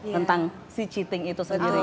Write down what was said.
tentang sea cheating itu sendiri